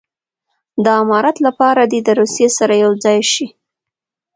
د امارت لپاره دې د روسیې سره یو ځای شي.